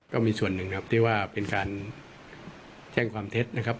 ก็มีส่วนหนึ่งครับที่ว่าเป็นการแจ้งความเท็จนะครับ